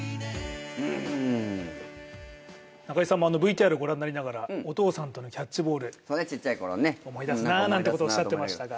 ＶＴＲを御覧になりながらお父さんとのキャッチボール思い出すななんておっしゃっていましたが。